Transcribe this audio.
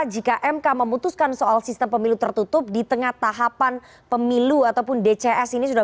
jika mk memutuskan soal sistem pemilu tertutup di tengah tahapan pemilu ataupun dcs ini sudah